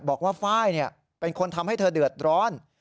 บอกว่าไฟล์เนี่ยเป็นคนทำให้เธอเดือดร้อน